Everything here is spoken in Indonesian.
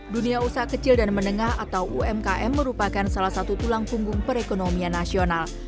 dunia usaha kecil dan menengah atau umkm merupakan salah satu tulang punggung perekonomian nasional